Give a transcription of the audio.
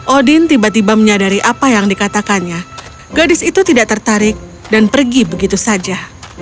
odin tiba tiba menyadari apa yang dikatakannya gadis itu tidak tertarik dan pergi begitu saja